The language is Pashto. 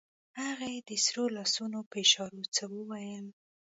هغې د سرو لاسونو په اشارو څه وويل.